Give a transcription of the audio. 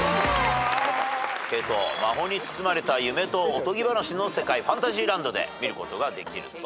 魔法に包まれた夢とおとぎ話の世界ファンタジーランドで見ることができると。